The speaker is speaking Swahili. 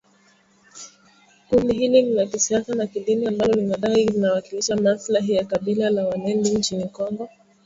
Kundi hili ni la kisiasa na kidini ambalo linadai linawakilisha maslahi ya kabila la walendu nchini Kongo